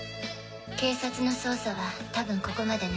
警察の捜査は多分ここまでね。